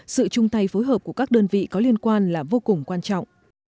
sự chung tay phối hợp của các đơn vị có liên quan là vô cùng quan trọng